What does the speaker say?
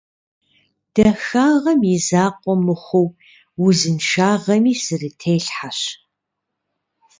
Дахагъэм и закъуэ мыхъуу, узыншагъэми срителъхьэщ.